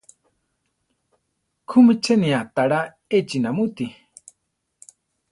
¿Kúmi cheni aʼtalá échi namúti?